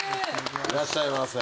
いらっしゃいませ。